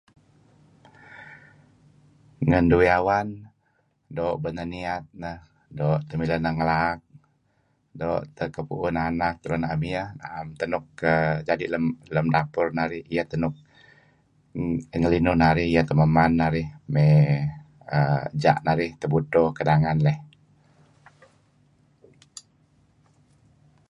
Ngen duih awan doo' beneh niat nehdoo' teh mileh neh ngelaak doo' teh kepuuh neh anak tak am iyeh naem teh nuk jadi' lam dapur narih. Iyeh teh nuk ngelinuh ngelinun narih iyeh teh meman narih may uhm ja narih tebudto kedangan leh.